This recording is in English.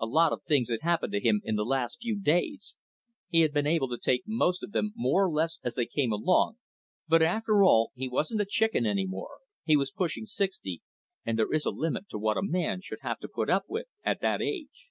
A lot of things had happened to him in the last few days, he had been able to take most of them more or less as they came along, but after all, he wasn't a chicken any more, he was pushing sixty, and there is a limit to what a man should have to put up with at that age.